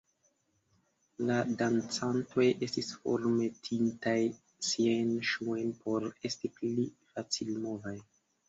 La dancantoj estis formetintaj siajn ŝuojn por esti pli facilmovaj.